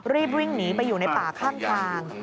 รีบวิ่งหนีไปอยู่ในป่าข้างทาง